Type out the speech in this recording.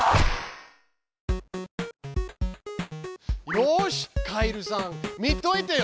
よしカエルさん見といてよ。